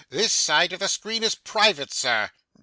This side of the screen is private, sir.